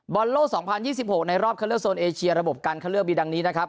บอลโลก๒๐๒๖ในรอบเข้าเลือกโซนเอเชียระบบการคัดเลือกมีดังนี้นะครับ